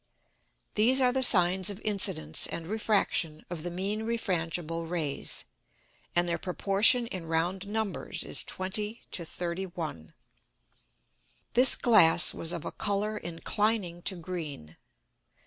These are the Sines of Incidence and Refraction of the mean refrangible Rays, and their Proportion in round Numbers is 20 to 31. This Glass was of a Colour inclining to green.